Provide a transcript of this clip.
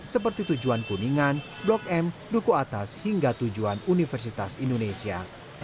seperti tujuan kuningan blok m duku atas hingga tujuan universitas indonesia